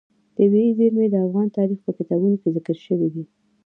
طبیعي زیرمې د افغان تاریخ په کتابونو کې ذکر شوی دي.